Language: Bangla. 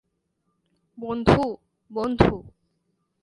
বন্ধু - বন্ধু।